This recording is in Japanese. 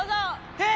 えっ⁉